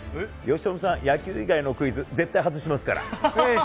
由伸さん、野球以外のクイズ、絶対外しますから。